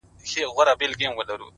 سیاه پوسي ده!! برباد دی!!